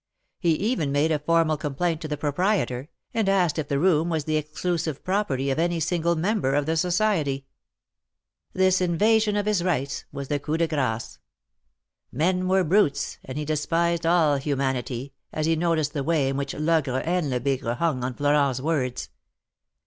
He even made a formal complaint to the proprietor, and asked if the room was the exclusive 23roperty of any single member of the society. Tliis invasion of his rights was the coup de grace. Men were brutes, and he despised all humanity, as he noticed the way in which Logre and Lebigre hung on Florent^s words.